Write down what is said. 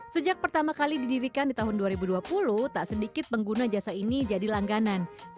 sejak pertama kali didirikan di tahun dua ribu dua puluh tak sedikit pengguna jasa ini jadi langganan